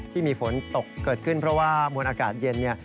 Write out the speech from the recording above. ที่มีฝนตกเกิดขึ้นเพราะว่ามวลอากาศเย็น